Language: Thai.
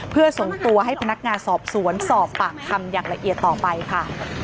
เพื่อส่งตัวให้พนักงานสอบสวนสอบปากคำอย่างละเอียดต่อไปค่ะ